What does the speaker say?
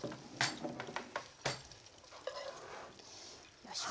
よいしょ。